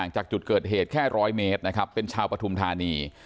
จากจุดเกิดเหตุแค่๑๐๐เมตรนะครับเป็นชาวปฐุมธานี